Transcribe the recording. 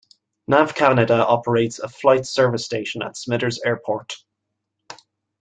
NavCanada operates a Flight Service Station at Smithers Airport.